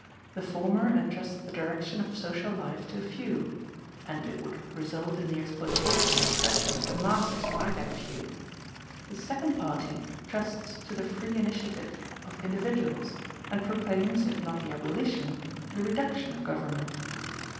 The former entrusts the direction of social life to a few; and it would result in the exploitation and oppression of the masses by that few. The second party trusts to the free initiative of individuals, and proclaims, if not the abolition, the reduction of government.